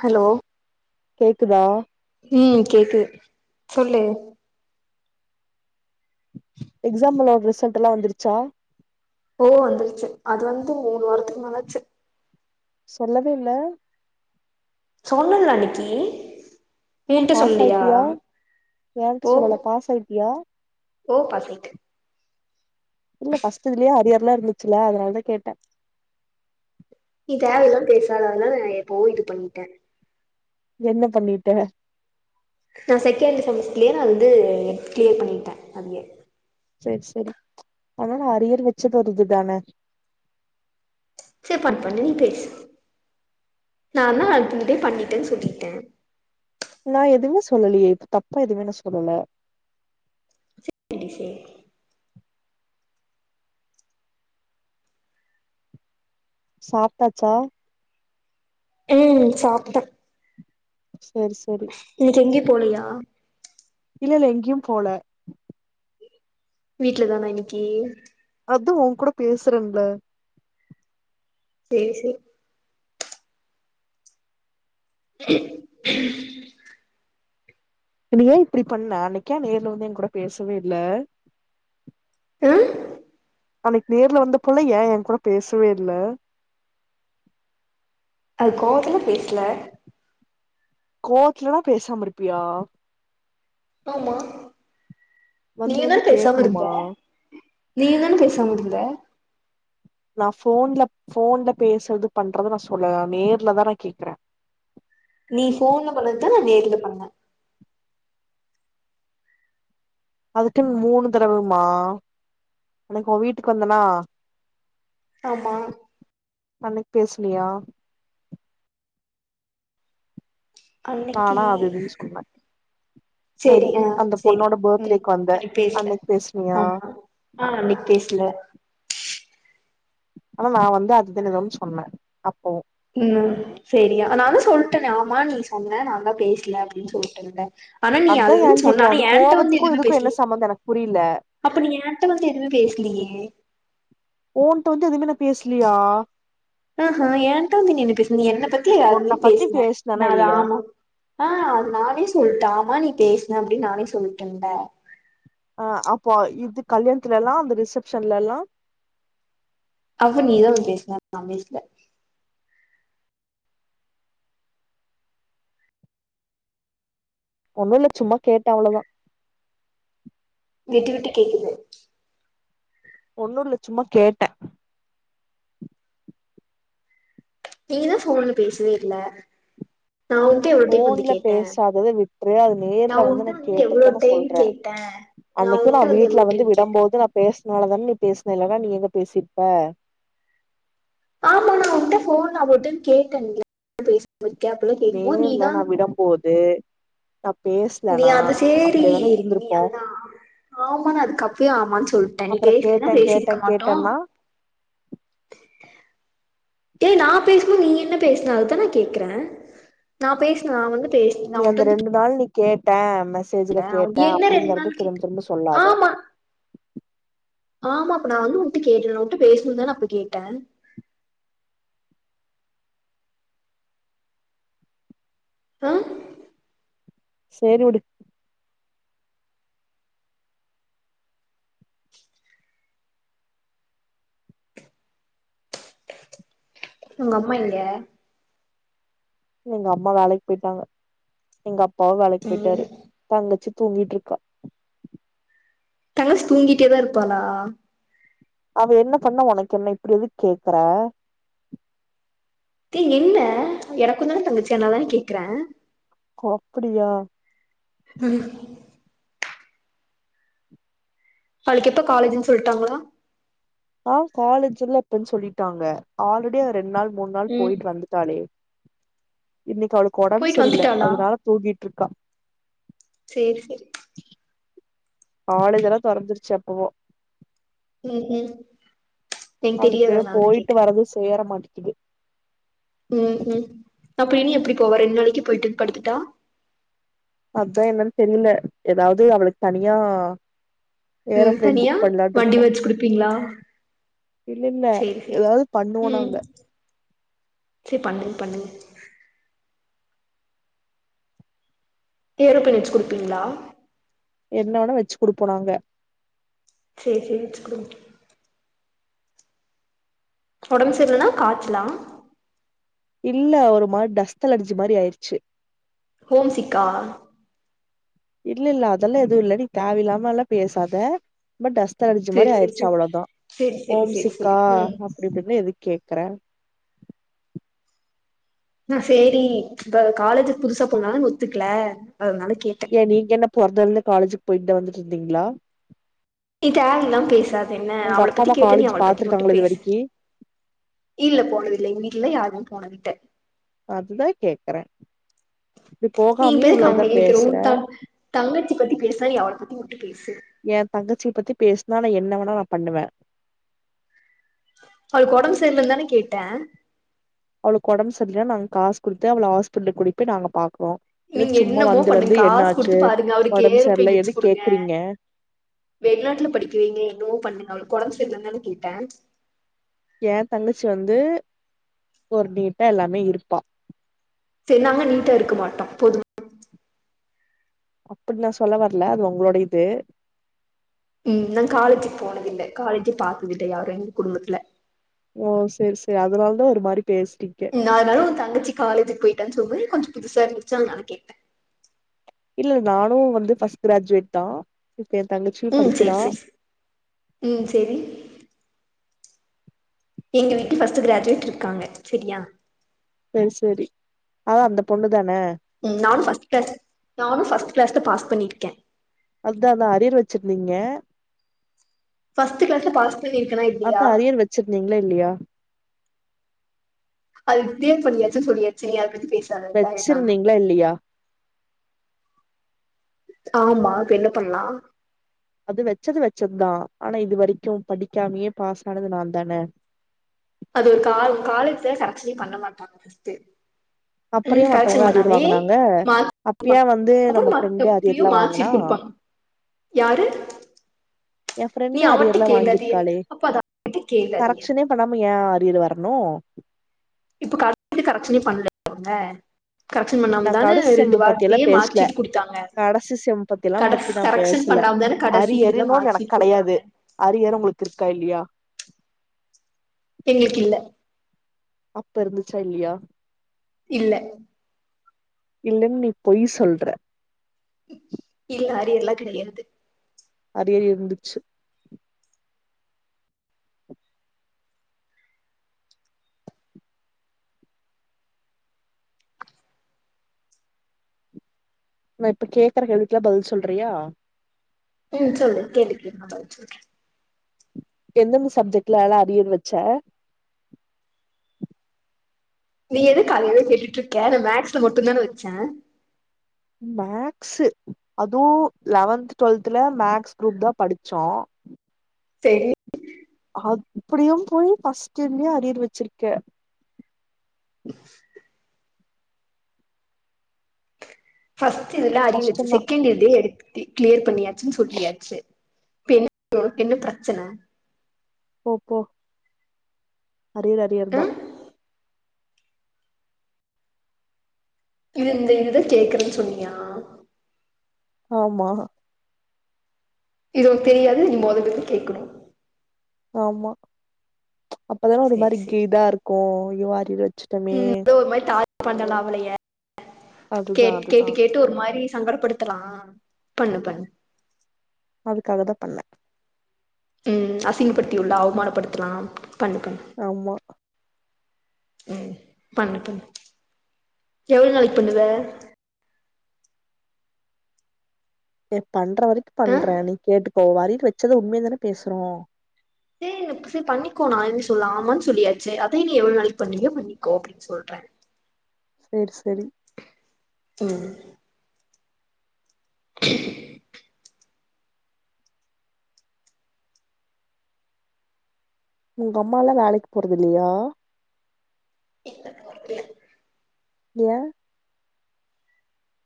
hello கேக்குதா ம் கேக்குது சொல்லு எக்ஸாமோட ரிசல்ட் எல்லா வந்துருச்சா போ வந்துருச்சு அது வந்து மூணு வாரத்துக்கு மேலாச்சு சொல்லவே இல்ல சொன்னல்லே அன்னக்கி உன்ட்ட சொல்லலியா ஏன்ட்ட சொல்லல பாஸ் ஆயிருப்பியா ஓ பாசிட் இல்ல ஃபர்ஸ்டு இதுலேயே அரியர்ல்லா இருந்துச்சுல்ல அதனாலதா கேட்டே நீ தேவ இல்லாம பேசாத அத நா எப்பவோ இது பண்ட்டே என்ன பண்ணிட்ட நா செகண்டு செமஸ்டர்லயே நா அது வந்து கிளியர் பண்ணிட்டே அதயே சரி சரி அதுனா அரியர் வச்சது ஒரு இது தான சரி பா பா நீ பேசு நான்லா [unintelligible] பண்ணிட்டேன்னு சொல்லிட்டே நா எதுமே சொல்லலியே இப்ப தப்பா எதுமே நா சொல்லல எடிஸே சாப்ட்டாச்சா ம் சாப்ட்ட செரி செரி இந்த சொங்கி போலயா இல்ல இல்ல எங்க்யு போல வீட்லதானா இன்னைக்கி அதா ஓங்கூட பேசுறன்ல சேரி சேர் என்ன ஏ இப்டி பண்ண அன்னைக் ஏன் நேர்ல வந்து எங்கூட பேசவே இல்ல அ அன்னைக் நேர்ல வந்தப்புலா ஏன் ஏங்கூட பேசவே இல்ல அது கோவத்துல பேஸ்ல கோவத்துலனா பேசாம இருப்பியா ஆமா வந்து நீயுந்தா வந்து பேசாம இருந்த கேக்கணுமா நீயுந்தான பேசாம இருந்த நா ஃபோன்ல ஃபோன்ல பேசற்து பண்றது நா சொல்லல நேர்லதா நா கேக்குறே நீ ஃபோன்ல பண்ணததா நா நேர்ல பண்ண அதுக்குன் மூணு தடவுமா அன்னைக்கு ஓன் வீட்டுக்கு வந்தனா ஆமா அன்னைக் பேசுனியா அன்னைக்கி நானா அது இதுன்னு சொன்னே சரி சேரி ஆ அந்த சேரி பொண்ணோட ம் பர்த்டேக்கு வந்த அன்னைக் பேஸ்ல அன்னைக்கு பேசுனியா ஆமா ஆ அன்னைக் பேஸ்ல ஆனா நா வந்து அதுதுன் எதோன் சொன்ன அப்போ ம் சேரி நான் தா சொல்ட்டனே ஆமா நீ சொன்ன நான் தா பேஸ்ல அப்டின் சொல்ட்டன்ல ஆனா நீ அதா அதுஇதுன் ஏன்னு சொன்ன கேக்குறே ஆனா அது என்ட்ட வந்து கோவத்துக்கு எதுமே இதுக்கு பேஸ்லே என்ன சம்மந்தோ எனக்கு புரியல அப்ப நீ ஏ ன்ட்ட வந்து எதுமே பேஸ்லியே ஓன்ட்ட வந்து எதுமே நா பேஸ்லியா ஆ ஹா என்ட்ட வந்து நீ என்ன பேசுன நீ என்ன பத்தி உன்ன யார்கிட்டுயோ பத்தி பேசுன பேசுனனா நா அத இல்லையா ஆமா ஆ நானே சொல்ட்ட ஆமா நீ பேஸ்ன அப்டின் நானே சொல்ட்டன்ல ஆ அப்போ இது கல்யாண்த்துலலா அந்த ரிசப்ஷன்லலா அது நீதா வந்து பேஸ்ன நா பேஸ்ல ஒன்னுல்ல சும்மா கேட்ட அவுளதா விட்டு விட்டு கேக்குது ஒன்னுல்ல சும்மா கேட்ட நீதா ஃபோன்ல பேசவே இல்ல நா எவ்ளோ டைம் வந்து ஃபோன்ல கேட்டே பேசாதத விட்ரு அது நேர்ல வந்து உன்ட்ட நா எவ்ளோ கேட்டத நா டைம் சொல்ற கேட்டே அன்னைக்கு நா உன்ட்ட எவ்ளோ வீட்ல வந்து டைம் விடம் கேட்டே போது நா பேஸ்னாலதான நீ பேஸ்ன இல்லனா நீ எங்க பேசிர்ப்ப ஆமா நா உன்ட்ட ஃபோன்ல ஒரு டைம் கேட்டன் [inaudible] பேசாம இருக்க அப்பில்லா கேக்கும்போது நீதா அப்போ வந்து நீ அப்ப சேரி அப்டியேதான நீ இருந்திருப்போ அதுதா ஆமா நா அதுக்கப்பியே ஆமான் சொல்ட்ட நீ அப்றோ பேஸ்லெனா கேட்டே கேட்டே பேசிருக்க மாட்டோ கேட்டேன்னா ஏய் நா பேசும்போது நீ என்ன பேஸ்ன அதுதா நா கேக்குற நா பேஸ்ன நா வந்து பேஸ் நீ அந்த ரெண்டு நாள் நீ கேட்ட மெசேஜுல கேட்ட கேட்டே என்ன ரெண்டு நாள் அப்டிங்கறது கேட்ட திரும் திரும்ப சொல்லாத ஆமா ஆமா அப்ப நா வந்து உன்ட்ட கேட்ட நா உன்ட்ட பேஸ்னுன்தான நா அப்பு கேட்ட ஆ சேரி உடு உங்கம்மா எங்க எங்கம்மா வேலைக்கு போயிட்டாங்க எங்க அப்பாவு வேலைக்கு ம் போயிட்டாரு தங்கச்சி தூங்கிட்டு இருக்கா தங்கச்சி தூங்கிட்டேதா இருப்பாளா அவ என்ன பண்ண ஒனக்கு என்ன இப்டி எதுக்கு கேக்குற ஏ என்ன எனக்குந்தானா தங்கச்சி அனால தான கேக்குறே அப்டியா ம் அவளுக்கெப்ப காலேஜுன்னு சொல்ட்டாங்ளா ஆ காலேஜ்ல எப்பன் சொல்லிட்டாங்க ஆல்ரெடி அவ ரெண்டு நாள் மூண் நாள் ம் போயிட்டு வந்துட்டாளே இன்னைக்கு அவளுக்கு ஒடம்பு போயிட்டு சரில்ல வந்துட்டாளா அதுனால தூங்கிட்ருக்கா சேரி சேரி காலேஜெல்லா தொறஞ்சிருச்சு எப்பவோ ம் ம் எனக்கு அவளுக்கு தெரியாது அதனாலதா போயிட்டு கேட்டே வர்றது சேர மாட்டேக்குது ம் ம் அப்ப இனி எப்டி போவா ரெண்டு நாளைக்கு போயிட்டு வந்து படுத்துட்டா அதா என்னன்னு தெர்ல ஏதாவ்து அவளுக்கு தனியா ம் ஏரோபிளேன் தனியா புக் வண்டி பண்லான்ருக்கோ வச்சு குடுப்பீங்களா இல்லல்ல சேரி சேரி ஏதாவது பண்ணுவோ நாங்க சேர் பண்ணுங் பண்ணுங் ஏரோபிளேன் வச்சு கொடுப்பீங்ளா என்ன வேணா வச்சு குடுப்போ நாங்க சேரி சேரி வச்சுக்கோங்க உடம்பு சரிலன்னா காய்ச்சலா இல்ல ஒரு மார் டஸ்ட் அலர்ஜி மாதிரி ஆயிடுச்சு ஹோம் சிக்கா இல்ல இல்ல அதெல்லாம் எதுவும் இல்ல நீ தேவ இல்லாம எல்லாம் பேசாத ரொம்ப டஸ்ட் அலர்ஜி மாதிரி சேரி சேரி ஆயிடுச்சு சேரி அவ்வளோதான் சேரி சேரி ஹோம் சேரி சிக்கா சேரி ம் அப்படி இப்படின்லா எதுக்கு கேக்குற நா சேரி இப்ப காலேஜுக்கு புதுசா போனாலும் ஒத்துக்கல அதனால கேட்டேன் ஏன் நீங்க என்ன பொறந்தலந்து காலேஜுக்கு போயிட்டு தா வந்துட்டு இருந்தீங்களா நீ தேவை இல்லாம பேசாது என்ன உங்க அவளை அப்பா பத்தி அம்மா கேட்டா நீ காலேஜ் அவள பத்தி மட்டும் பாத்துருக்காங்களா இது பேசு வரைக்கி இல்ல போனதில்லை எங்க வீட்லல்லா யாரும் போனதில்ல அதுதா கேக்குறே இப்டி நீ போகாமயே பேருக்கு இவ்ளோ இதா அவங்க இருக்கிற பேசுற உன் தங் தங்கச்சி பத்தி பேசுனா நீ அவள பத்தி மட்டு பேசு எ தங்கச்சிய பத்தி பேசுனா நா என்ன வேணா நா பண்ணுவே அவளுக்கு ஒடம்பு சேர்லனு தான கேட்டே அவளுக்கு ஒடம்பு சரில்ல நாங்க காசு கொடுத்து அவள ஹாஸ்பட்டலுக் கூட்டிட்டு போய் நாங்க பாக்குறோ நீங்க எதுக்கு சும்மா என்னமோ வந்து பண்ணுங்க வந்து காசு என்னாச்சு குடுத்து பாருங்க அவருக்கு ஒடம்பு ஏரோப்ளேன் சரில வச்சு எதுக்கு குடுங்க கேக்குறீங்க வெளிநாட்டுல படிக்கவைங்க என்னமோ பண்ணுங்க அவளுக்கு உடம்பு சரியில்லன்னு தான கேட்டே ஏன் தங்கச்சி வந்து ஒரு நீட்டா எல்லாமே இருப்பா சேரி நாங்க நீட்டா இருக்க மாட்டோம் போதும் அப்படி நான் சொல்ல வரல அது உங்களோட இது ம் நான் காலேஜிக்கு போனதில்ல காலேஜே பாத்ததில்ல யாரும் எங்க குடும்பத்துல ஓ சரி சரி அதனால தான் ஒரு மாரி பேசுனீங்க ம் அதனால உன் தங்கச்சி காலேஜுக் போயிட்டா சொல்லும்போது கொஞ்ச புதுசா இருந்துச்சா அதுனால கேட்டே இல்ல நானு வந்து ஃபஸ்ட் கிராஜுவேட் தா இப்ப ஏ தங்கச்சி ம் சேர் சேர் சேர் ம் சேரி எங்க வீட்டு ஃபஸ்ட்டு கிராஜுவேட் இருக்காங்க சரியா சேரி சேரி அதா அந்த பொண்ணு தான ம் நானு ஃபஸ்ட் கிளாஸ் நானு ஃபஸ்ட் கிளாஸ்ல பாஸ் பண்ணிருக்கே அதானா அரியர் வச்சிருந்தீங்க ஃபர்ஸ்ட்டு க்ளாஸ்ல பாஸ் பண்ணிருக்கனா இல்லையா வச்சிர்ந்தீங்களா இல்லையா அது வித்தே பண்ணியாச்சுன்னு சொல்லியாச்சுங்க இனி அத பத்தி பேசி வெச்சிருந்தீங்களா இல்லையா ஆமா இப்ப என்ன பண்லா அது வச்சது வச்சது தா ஆனா இது வரைக்கும் படிக்காமயே பாஸ் ஆனது நான் தான அது ஒரு கால் காலேஜ்ல கரெக்ஷனே பண்ண மாட்டாங்க ஃபஸ்டு அப்புற ஏ ம் மத்தவங்க கரெக்க்ஷன் அரியர் பண்ணாமே வாங்குனாங்க மார்க் அப்ப அப்பா ஏ வந்து நம்ம அப்புறம்மா ஃப்ரெண்டு எப்டியு அரியர்லா வாங்குனா மார்க்சீட்டு குடுப்பா யாரு என் நீ ஃபிரெண்டு அவட்ட அரியர்லா கேக்காதீய வாங்கிருக்காலே அப்ப அது அவகிட்ட கேக்காதீங்க கரெக்ஷனே பண்ணாம ஏ அரியர் வரணு இப்ப காலேஜ்ல கரெக்சனே பண்லல அவங்க கரெக்சன் நா பண்ணாம தானே கடைசி செம் ரெண்டு பத்தி எல்லா வாரத்துலயே மார்க் பேசல ஷீட் குடுத்தாங்க கடைசி செம் பத்திலா கடஸ் பத்தி நா கரெக்ஷன் பேசல பண்ணாமதான கடைசி இதுல்ல அரியருன்னு மார்க் எனக்கு ஷீட் குடுத்தாங்க கெடையாது அரியர் உங்களுக்கு இருக்கா இல்லையா எங்களுக்கு இல்ல அப்ப இருந்துச்சா இல்லையா இல்ல இல்லைன் நீ பொய் சொல்ற இல்ல அரியர்ல்லா கெடையாது அரியர் இருந்துச்சு நா இப்ப கேக்குற கேள்விக்குலா பதில் சொல்றியா ம் சொல்லு கேள்வி கேளு நா பதில் சொல்றே எந்த மிஸ் சப்ஜெக்ட்லலா அரியர் வச்ச நீ எதுக்கு அதவே கேட்டுட்டு இருக்க நா மேக்ஸ்ல மட்டுந்தானே வச்சே மேக்ஸ்சு அதுவு லெவன்த் ட்வொல்த்துல மேக்ஸ் குரூப் தா படிச்சோ தெரி அப்படியும் போய் ஃபஸ்ட் இயர்லயே அரியர் வச்சிருக்க ஃபர்ஸ்ட் இதுல அரியர் வச்சு கஷ்டந்தா செகண்ட் இயர்லயே எடுத்து கிளியர் பண்ணியாச்சுன்னு சொல்லியாச்சு இப்ப என்ன உனக்கு என்ன பிரச்சன போ போ அரியர் அரியர் ஆ தா இது இந்த இதுதா கேக்குறேன்னு சொன்னியா ஆமா இது உனக்கு தெரியாது நீ மொதல்ல இருந்து கேட்கணு ஆமா அப்பதானே ஒரு சேரி மாரி கி சேரி இதா இருக்கு யூ ஆர் இருவது ம் எதோ ஒரு மாரி டார்க் பண்ணலா அவளைய அதுதா கேட் அதுதா கேட்டு கேட் ட்டு ஒரு மாரி சங்கடப்படுத்தலா பண்ணு பண்ணு அதுக்காக தாபண்ணேன் ம் அசிங்கப்படுத்திவுட்ல அவமானப்படுத்தலாம் பண்ணு பண்ணு ஆமா ம் பண்ணு பண்ணு எவ்வளோ நாளைக்கு பண்ணுவ ஏ பண்ற வரைக்கு ஆ பண்ற நீ கேட்டுக்கோ [unintelligible] வச்சத உண்மைய தான பேசுறோம் சேரி சரி பண்ணிக்கோ நான் எது சொல்ல ஆமான்னு சொல்லியாச்சு அதை நீ எவ்ளவு நாளைக்கு பண்ணிவியோ பண்ணிக்கோ சொல்றே செரி செரி ம் [inaudible] உங்க அம்மா லாம் வேலைக்கு போரது இல்லையா இப்ப போரது இல் ஏன்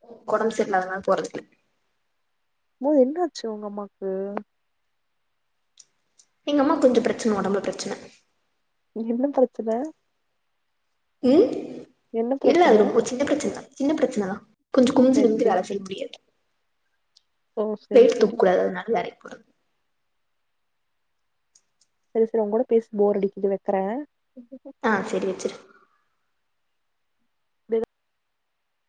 [unintelligible] உடம்பு சரியல்லதனால போறது இல்ல ஏ என்னாச்சு உங்க அம்மாக்கு எங்க அம்மாக்கு கொஞ்சம் பிரச்சன உடம்புல பிரச்சன என்ன பிரச்சன ம் என்ன இல்ல அது பிரச்சன ரொம்ப சின்ன பிரச்சனதான் சின்ன பிரச்சனதான் கொஞ்சம் குமிஞ்சு சரி நிமிந்து சரி வேல செய்ய சரி முடியாது ஓ சரி வெயிட் சரி தூக்ககூடாது அதனால வேலைக்கு போறது செரி செரி உங் கூட பேச போர் அடிக்குது வைக்கறேன் ஆ செரி வச்சுரு [unintelligible]